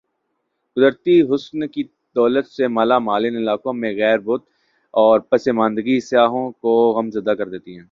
قدرتی حسن کی دولت سے مالا مال ان علاقوں میں غر بت اور پس ماندگی سیاح کو غم زدہ کر دیتی ہے ۔